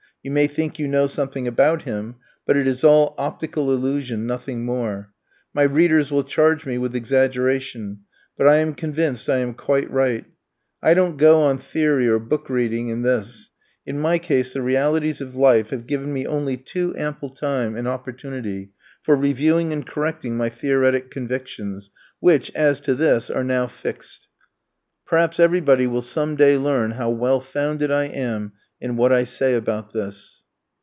You may think you know something about him, but it is all optical illusion, nothing more. My readers will charge me with exaggeration, but I am convinced I am quite right. I don't go on theory or book reading in this; in my case the realities of life have given me only too ample time and opportunity for reviewing and correcting my theoretic convictions, which, as to this, are now fixed. Perhaps everybody will some day learn how well founded I am in what I say about this.